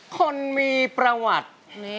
คนมีประวัติ